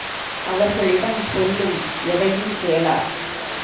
அவர்களிடம் சொல்லும் எதையும் கேளார்.